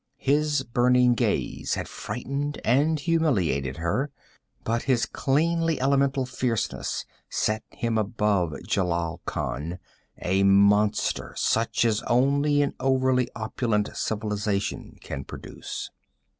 His burning gaze had frightened and humiliated her, but his cleanly elemental fierceness set him above Jelal Khan, a monster such as only an overly opulent civilization can produce.